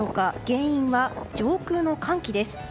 原因は、上空の寒気です。